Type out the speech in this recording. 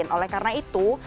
oleh karena itu